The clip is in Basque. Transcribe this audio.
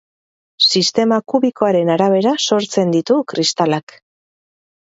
Sistema kubikoaren arabera sortzen ditu kristalak.